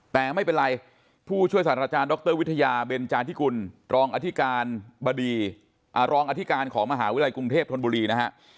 แต่ไม่เป็นไรผู้ช่วยศาสตราจารย์ดรวิทยาเบนจาธิกุลรองอธิการบดีรองอธิการของมหาวิทยาลัยกรุงเทพธนบุรีนะฮะ